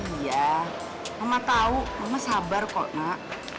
iya mama tahu mama sabar kok nak